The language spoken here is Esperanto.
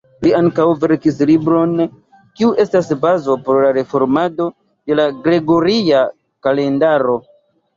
Li ankaŭ verkis libron kiu estis bazo por la reformado de la gregoria kalendaro.